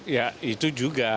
ya itu juga